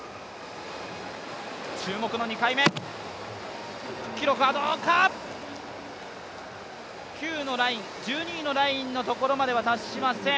注目の２回目、記録はＱのライン、１２位のラインのところまでは、達しません。